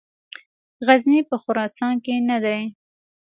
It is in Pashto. غزني په خراسان کې نه دی.